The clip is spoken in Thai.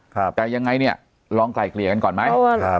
แต่ยังไงเนี่ยลองไกลเกลี่ยกันก่อนไหม